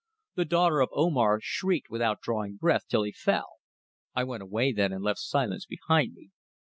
The daughter of Omar shrieked without drawing breath, till he fell. I went away then and left silence behind me.